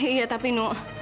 iya tapi nuk